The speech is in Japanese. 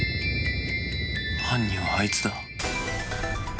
犯人はあいつだ。